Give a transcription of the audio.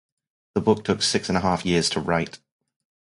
The book took six and a half years to write.